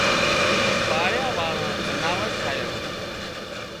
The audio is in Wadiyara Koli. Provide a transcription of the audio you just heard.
پاۯيا واۯان زناور ٺاهيان